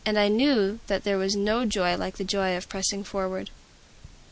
I knew that there was no joy like the joy of pressing forward.